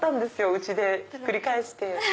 家でひっくり返して。